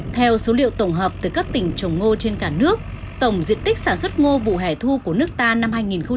theo số liệu tổng hợp từ các tỉnh trồng ngô trên cả nước tổng diện tích sản xuất ngô vụ hẻ thu của nước ta năm hai nghìn một mươi chín